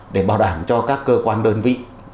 để bảo đảm cho các cơ quan đơn vị